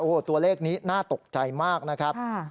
ตัวเลขนี้น่าตกใจมากนะครับ